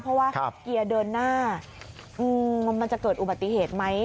เพราะว่าเกียร์เดินหน้ามันจะเกิดอุบัติเหตุไหม